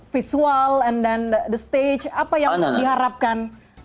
visual and then the stage apa yang diharapkan